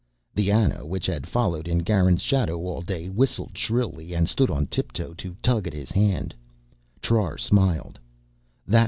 The Ana, which had followed in Garin's shadow all day, whistled shrilly and stood on tiptoe to tug at his hand. Trar smiled.